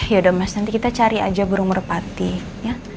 yaudah mas nanti kita cari aja burung merpati ya